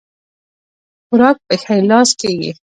خوراک په ښي لاس کيږي